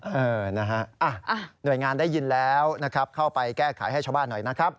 เออนะฮะหน่วยงานได้ยินแล้วนะครับเข้าไปแก้ไขให้ชาวบ้านหน่อยนะครับ